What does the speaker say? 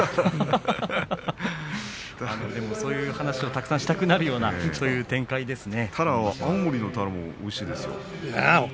そういう話をたくさんしたくなるような展開ですね。